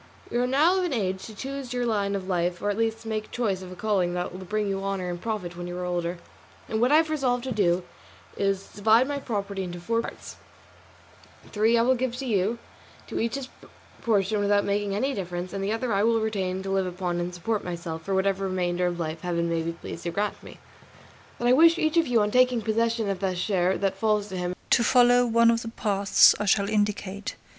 You are now of an age to choose your line of life or at least make choice of a calling that will bring you honour and profit when you are older; and what I have resolved to do is to divide my property into four parts; three I will give to you, to each his portion without making any difference, and the other I will retain to live upon and support myself for whatever remainder of life Heaven may be pleased to grant me. But I wish each of you on taking possession of the share that falls to him to follow one of the paths I shall indicate.